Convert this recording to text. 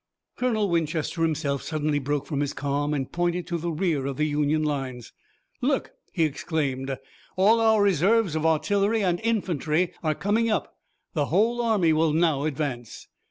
Colonel Winchester himself suddenly broke from his calm and pointed to the rear of the Union lines. "Look!" he exclaimed. "All our reserves of artillery and infantry are coming up! The whole army will now advance!"